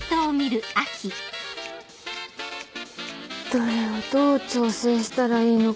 どれをどう調整したらいいのか。